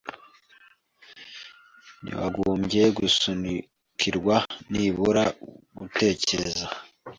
ntitwagombye gusunikirwa nibura gutekereza